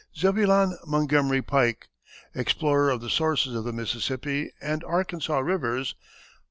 ZEBULON MONTGOMERY PIKE, EXPLORER OF THE SOURCES OF THE MISSISSIPPI AND ARKANSAS RIVERS.